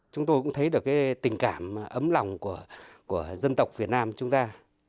chúng tôi cũng thấy được tình cảm ấm lòng của dân tộc việt nam chúng ta